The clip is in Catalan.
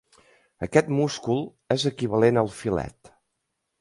Aquest múscul és equivalent al filet.